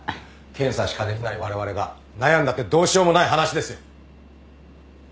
検査しかできないわれわれが悩んだってどうしようもない話ですよ。